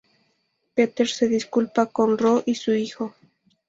Peter se disculpa con Ro y su hijo.